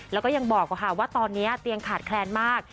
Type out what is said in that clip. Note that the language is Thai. แล้วก็ยังบอกว่าตอนนี้เตียงขาดแคลนมาก